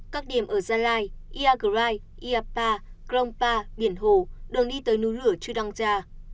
các điểm ở gia lai ia grai ia pa grong pa biển hồ đường đi tới núi rửa chư đăng gia